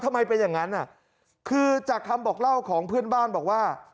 ทำไมเป็นอย่างนั้นอ่ะคือจากคำบอกเล่าของเพื่อนบ้านบอกว่า